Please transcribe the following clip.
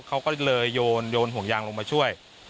เขาก็เลยโยนห่วงยางลงมาช่วย